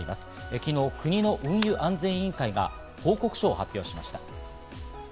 昨日、国の運輸安全委員会が報告書を発表しました。